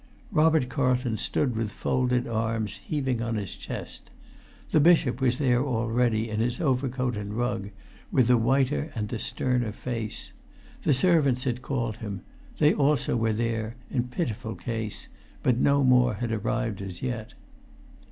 Robert Carlton stood with folded arms heaving on his chest. The bishop was there already, in his overcoat and rug, with the whiter and the sterner face. The servants had called him: they also were there, in pitiful case, but no more had arrived as yet.